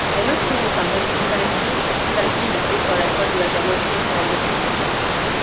Yellow Spring is sometimes incorrectly listed or referred to as Yellowspring or Yellow Springs.